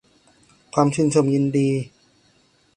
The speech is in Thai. ความชื่นชมยินดี